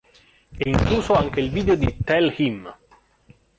È incluso anche il video di "Tell Him".